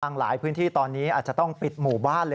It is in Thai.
หลายพื้นที่ตอนนี้อาจจะต้องปิดหมู่บ้านเลย